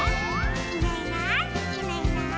「いないいないいないいない」